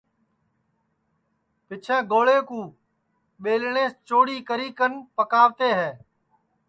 پیچھیں گوݪے کُو ٻیلٹؔیس چوڑی کری کن پکاوتے ہے